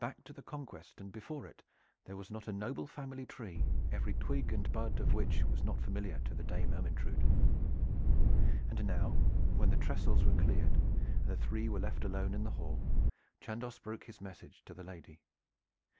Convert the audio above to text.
Back to the Conquest and before it there was not a noble family tree every twig and bud of which was not familiar to the Dame Ermyntrude. And now when the trestles were cleared and the three were left alone in the hall, Chandos broke his message to the lady.